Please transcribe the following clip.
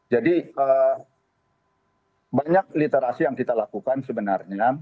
jadi banyak literasi yang kita lakukan sebenarnya